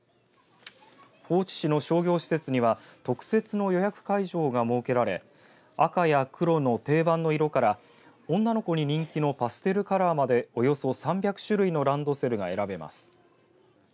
高知市の商業施設には特設の予約会場が設けられ赤や黒の定番の色から女の子に人気のパステルカラーまでおよそ３００種類のランドセルが選べます。